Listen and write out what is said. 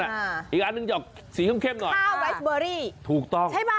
ฮ่าอีกอันนึงจะออกสีเข้มเข้มหน่อยข้าวรายส์เบอรี่ถูกต้อง